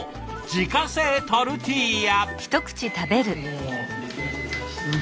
自家製トルティーヤ！